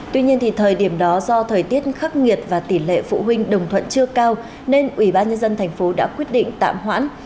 tuy nhiên thời điểm đó do thời tiết khắc nghiệt và tỉ lệ phụ huynh đồng thuận chưa cao nên ubnd tp đã quyết định tạm hoãn